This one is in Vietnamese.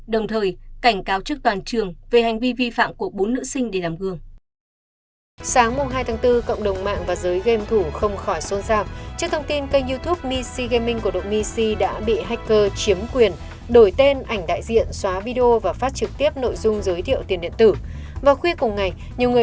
đồng thời cảnh cáo trước toàn trường về hành vi vi phạm của bốn nữ sinh để làm gương